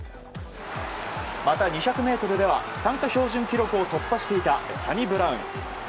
また２００ｍでは参加標準記録を突破していたサニブラウン。